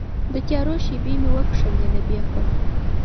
د تیارو شیبې مې وکښلې له بیخه